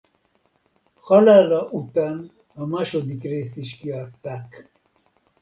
Halála után a második részt is kiadták.